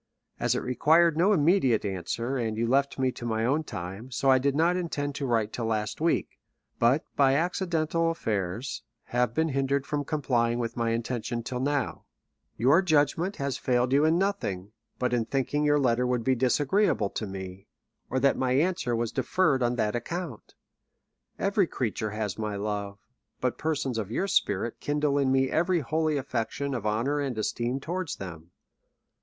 As it required no immediate answer, and you left me to my own time, so I did not intend to write till last week; but, by accidental affairs, have been hindered from complying with my intention till now. THE REV. W. LAW. XXVll Your judgment has failed you in nothing, but in thinking your letter would be disagreeable to me ; or that my answer was deferred on that account. Every creature has my love ; but persons of your spirit kindle in me every holy affection of honour and esteem towards them.